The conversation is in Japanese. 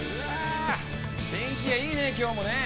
天気がいいね、今日もね。